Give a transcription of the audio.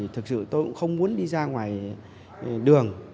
thực sự tôi cũng không muốn đi ra ngoài đường